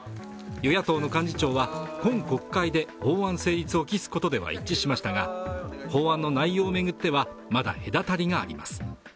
与野党の幹事長は、今国会で法案成立を期すことでは一致しましたが法案の内容を巡っては、まだ隔たりがあります。